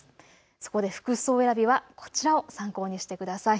そこで服装選びはこちらを参考にしてください。